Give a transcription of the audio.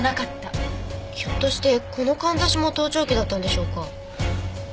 ひょっとしてこの簪も盗聴器だったんでしょうか？